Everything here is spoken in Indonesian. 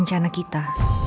iya dan kita